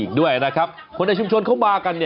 อีกด้วยนะครับคนในชุมชนเขามากัน